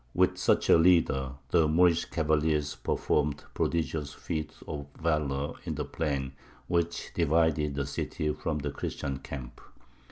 With such a leader, the Moorish cavaliers performed prodigious feats of valour in the plain which divided the city from the Christian camp.